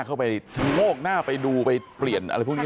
เข้าไปชะโงกหน้าไปดูไปเปลี่ยนอะไรพวกนี้